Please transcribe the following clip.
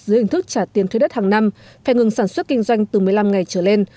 dưới hình thức trả tiền thuê đất hàng năm phải ngừng sản xuất kinh doanh từ một mươi năm ngày trở lên